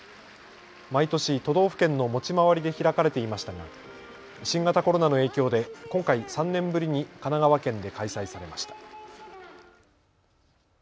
毎年、都道府県の持ち回りで開かれていましたが新型コロナの影響で今回３年ぶりに神奈川県で開催されました。